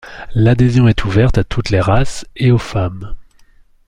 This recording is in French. L'adhésion est ouverte à toutes les races et aux femmes.